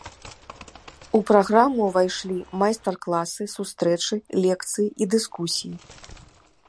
У праграму ўвайшлі майстар-класы, сустрэчы, лекцыі і дыскусіі.